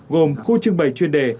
gồm khu trưng bày chuyên đề